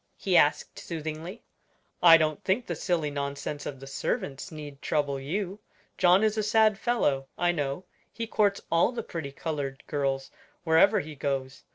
he asked, soothingly. "I don't think the silly nonsense of the servants need trouble you. John is a sad fellow, I know; he courts all the pretty colored girls wherever he goes.